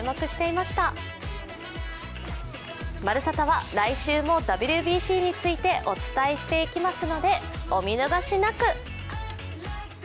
「まるサタ」は来週もＷＢＣについてお伝えしていきますのでお見逃しなく。